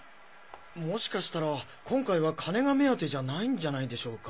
もしかしたら今回は金が目当てじゃないんじゃないでしょうか？